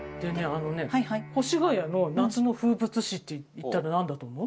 あのね越谷の夏の風物詩っていったらなんだと思う？